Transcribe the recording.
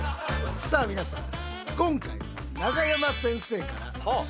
さあ皆さん